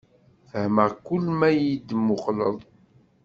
Fehmeɣ kul ma yi-d-muqleḍ.